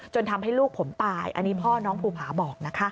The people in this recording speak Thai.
ทำให้ลูกผมตายอันนี้พ่อน้องภูผาบอกนะคะ